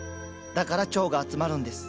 だから蝶が集まるんです。